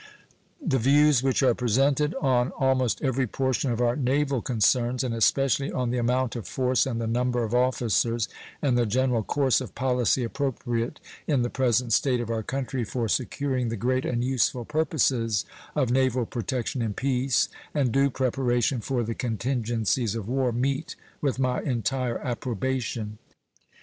The views which are presented on almost every portion of our naval concerns, and especially on the amount of force and the number of officers, and the general course of policy appropriate in the present state of our country for securing the great and useful purposes of naval protection in peace and due preparation for the contingencies of war, meet with my entire approbation.